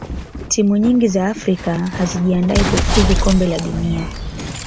timu nyingi za afrika hazijiandai kufuzu kombe la dunia